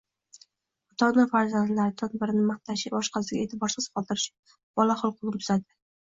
Ota-ona farzandlaridan birini maqtashi, boshqasini e’tiborsiz qoldirishi bola xulqini buzadi.